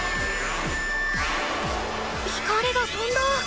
光がとんだ！